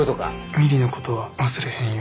美璃のことは忘れへんよ